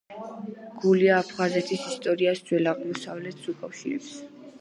გულია აფხაზეთის ისტორიას ძველ აღმოსავლეთს უკავშირებს.